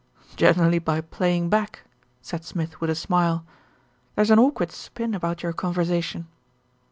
"Generally by playing back," said Smith with a smile. "There's an awkward spin about your conversation."